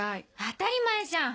当たり前じゃん。